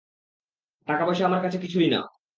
টাকা-পয়সা আমার কাছে কিছুই না।